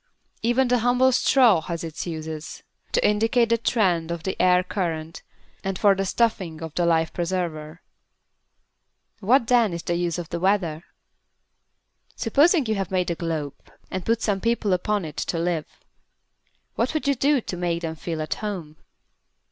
Even the humble straw has its uses to indicate the trend of the air current and for the stuffing of the life preserver. What then is the use of the Weather? Supposing you have made a globe and put some people upon it to live. What would you do to make them feel at home?